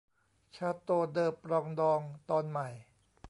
ชาโตว์เดอปรองดอง ตอนใหม่